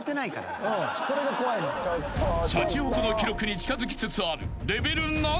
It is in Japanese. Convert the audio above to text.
［シャチホコの記録に近づきつつある］